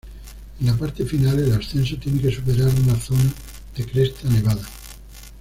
En la parte final el ascenso tiene que superar una zona de cresta nevada.